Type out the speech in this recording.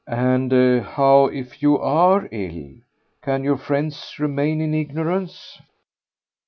"And how, if you ARE ill, can your friends remain in ignorance?"